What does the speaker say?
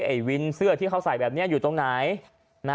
ไอ้วินเสื้อที่เขาใส่แบบนี้อยู่ตรงไหน